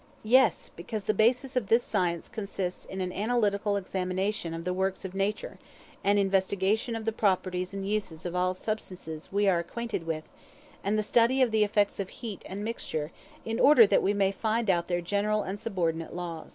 Yes; because the basis of this science consists in an analytical examination of the works of Nature; an investigation of the properties and uses of all substances we are acquainted with; and the study of the effects of heat and mixture, in order that we may find out their general and subordinate laws.